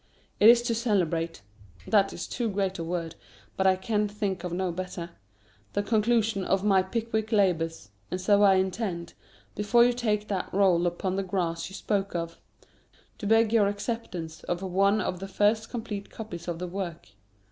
It is to celebrate (that is too great a word, but I can think of no better) the conclusion of my "Pickwick" labours; and so I intend, before you take that roll upon the grass you spoke of, to beg your acceptance of one of the first complete copies of the work.